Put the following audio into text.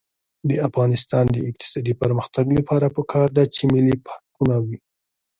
د افغانستان د اقتصادي پرمختګ لپاره پکار ده چې ملي پارکونه وي.